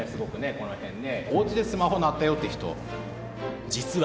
この辺ね。